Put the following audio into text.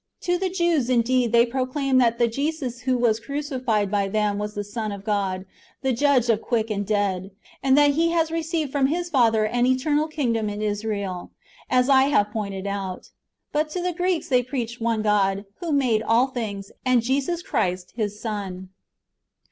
To the Jews, indeed, [they pro claimed] that the Jesus who was crucified by them was the Son of God, the Judge of quick and dead, and that He has received from His Father an eternal kingdom in Israel, as I have pointed out; but to the Greeks they preached one God, who made all things, and Jesus Christ His Son.